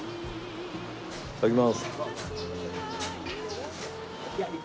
いただきます。